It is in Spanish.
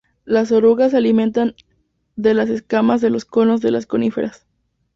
Las orugas se alimentan de las escamas de los conos de las coníferas.